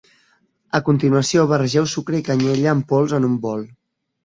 A continuació, barregeu sucre i canyella en pols en un bol.